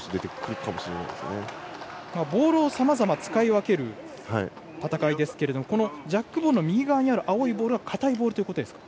ボールをさまざま使い分ける戦いですけどもジャックボールの右側にある青いボールは硬いボールということですか。